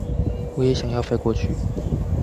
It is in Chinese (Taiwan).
我也想要飛過去